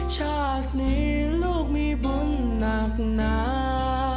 ชาตินี้ลูกมีบุญหนักหนา